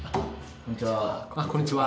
こんにちは。